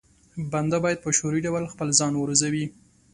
بنده بايد په شعوري ډول خپل ځان وروزي.